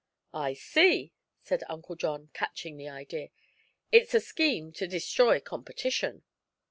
"I see," said Uncle John, catching the idea; "it's a scheme to destroy competition."